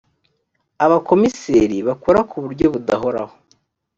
abakomiseri bakora ku buryo budahoraho.